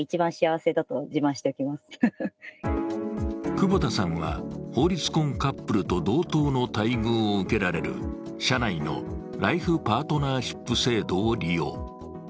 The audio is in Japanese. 久保田さんは法律婚カップルと同等の待遇を受けられる社内のライフパートナーシップ制度を利用。